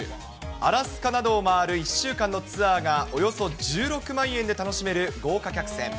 アラスカなどを周る１週間のツアーがおよそ１６万円で楽しめる豪華客船。